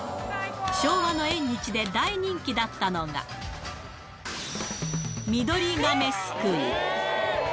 昭和の縁日で大人気だったのが、ミドリガメすくい。